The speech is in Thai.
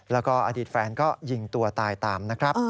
แล้วก็อดีตแฟนก็ยิงตัวตายตามนะครับ